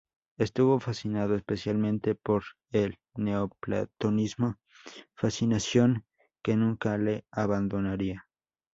Estuvo fascinado especialmente por el neoplatonismo, fascinación que nunca le abandonaría.